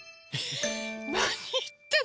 なにいってんの？